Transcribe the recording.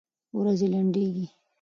ورځي لنډيږي